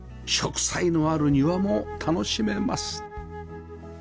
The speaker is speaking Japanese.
植栽のある庭も楽しめます